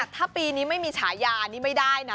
ถ้าปีนี้ไม่มีฉายานี่ไม่ได้นะ